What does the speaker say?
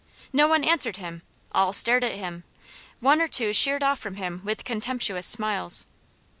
No one answered him; all stared at him; one or two sheered off from him with contemptuous smiles.